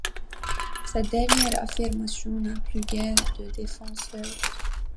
Cette dernière affirmation n'a plus guère de défenseurs.